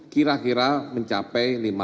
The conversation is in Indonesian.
kira kira mencapai lima ratus